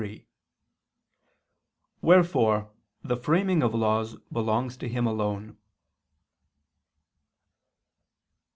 Wherefore the framing of laws belongs to him alone.